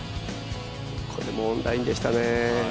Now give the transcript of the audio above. これもいいラインでしたね